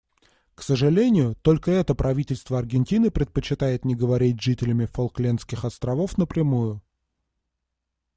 К сожалению, только это правительство Аргентины предпочитает не говорить с жителями Фолклендских островов напрямую.